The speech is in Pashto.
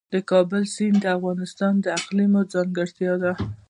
د کابل سیند د افغانستان د اقلیم ځانګړتیا ده.